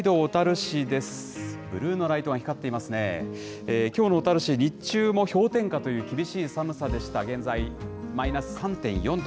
きょうの小樽市、日中も氷点下という厳しい寒さでした、現在マイナス３．４度。